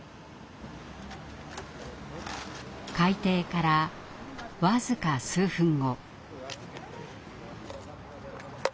開廷から僅か数分後。